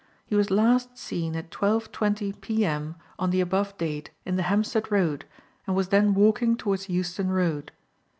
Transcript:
He was last seen at 12.20 pm on the above date in the Hampstead Road, and was then walking towards Euston Road.